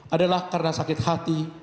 adalah karena sakit hati